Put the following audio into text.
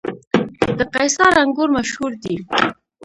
د قیصار انګور مشهور دي